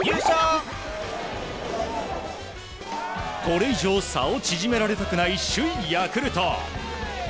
これ以上差を縮められたくない首位ヤクルト。